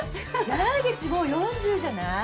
来月もう４０じゃない？だよ。